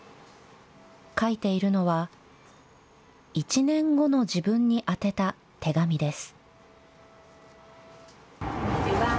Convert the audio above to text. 書いているのは１年後の自分に宛てた手紙です。